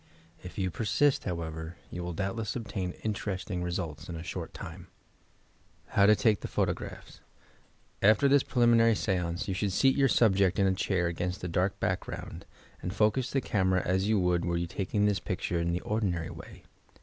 If you persist, however, you will doubtless obtain interesting results in a short time, HOW TO TAKE THE PHOTOQEAPHS After this preliminary stance, you should seat your subject in a ehair against a dark background, and focus the camera as you would were you taking his picture in the ordinary way.